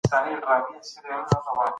کارځای باید روغ وي.